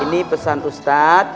ini pesan ustadz